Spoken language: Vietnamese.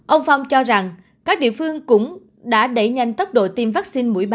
ông phong cho rằng các địa phương cũng đã đẩy nhanh tốc độ tiêm vaccine mũi ba